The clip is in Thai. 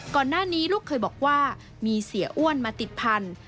ก่อนหน้านี้ลูกเคยบอกว่ามีเสียอ้วนมาติดพันธุ